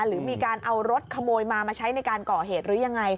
หรือมีการเอารถขโมยมามาใช้ในการก่อเหตุหรือยังไง